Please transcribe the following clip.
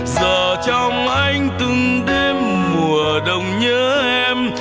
giờ trong anh từng đêm mùa đông nhớ em